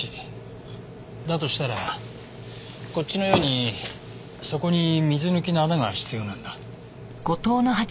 だとしたらこっちのように底に水抜きの穴が必要なんだ。